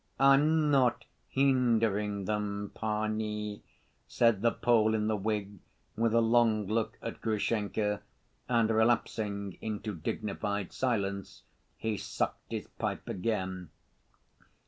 "I'm not hindering them, pani," said the Pole in the wig, with a long look at Grushenka, and relapsing into dignified silence he sucked his pipe again.